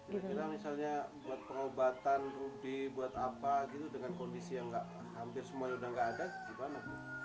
kira kira misalnya buat pengobatan rudi buat apa gitu dengan kondisi yang hampir semuanya udah nggak ada gimana